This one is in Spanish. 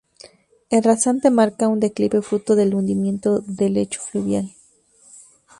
El rasante marca un declive fruto del hundimiento del lecho fluvial.